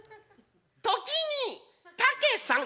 「時に竹さん」。